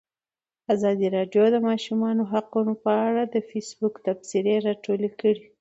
ازادي راډیو د د ماشومانو حقونه په اړه د فیسبوک تبصرې راټولې کړي.